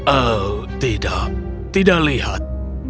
oh tidak tidak lihat